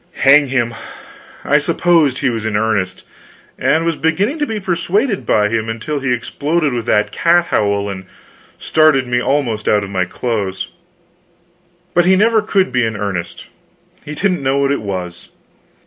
Hang him, I supposed he was in earnest, and was beginning to be persuaded by him, until he exploded that cat howl and startled me almost out of my clothes. But he never could be in earnest. He didn't know what it was.